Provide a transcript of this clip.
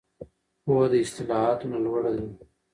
پوهه د اصطلاحاتو نه لوړه ده.